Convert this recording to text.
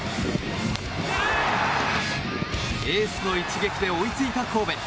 エースの一撃で追いついた神戸。